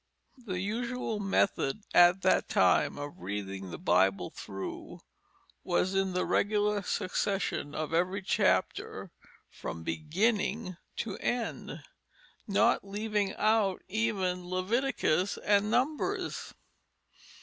The usual method at that time of reading the Bible through was in the regular succession of every chapter from beginning to end, not leaving out even Leviticus and Numbers.